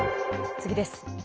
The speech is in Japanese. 次です。